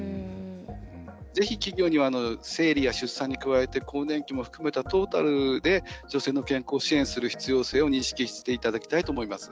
ぜひ企業には生理や出産に加えて更年期も含めたトータルで女性の健康を支援する必要性を認識していただきたいと思います。